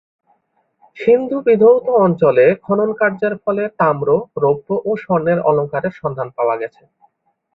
সিন্ধুবিধৌত অঞ্চলে খননকার্যের ফলে তাম্র, রৌপ্য ও স্বর্ণের অলঙ্কারের সন্ধান পাওয়া গেছে।